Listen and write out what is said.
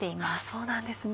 そうなんですね。